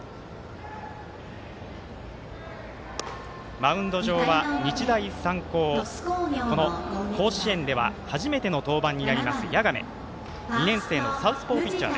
マウンド上は日大三高甲子園では初めての登板になります、谷亀２年生のサウスポーピッチャー。